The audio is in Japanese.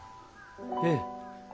ええ。